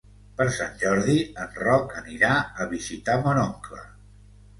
Per Sant Jordi en Roc anirà a visitar mon oncle.